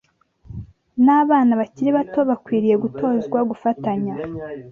N’abana bakiri bato bakwiriye gutozwa gufatanya